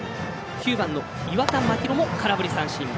９番の岩田真拡も空振り三振。